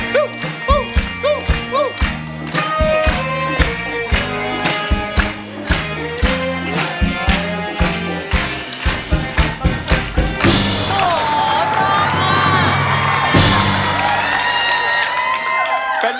ลีฟน์